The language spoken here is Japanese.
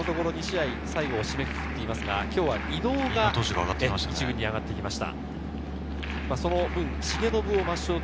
ビエイラがこのところ２試合、最後締めくくっていますが、今日は井納が１軍に上がってきました。